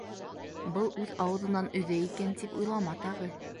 Был үҙ ауыҙынан өҙә икән, тип уйлама тағы.